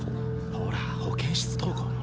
ほら保健室登校の。